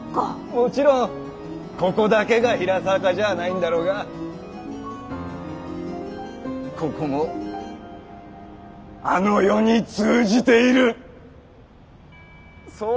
もちろんここだけが「比良坂」じゃあないんだろうがここも「あの世」に通じているッ！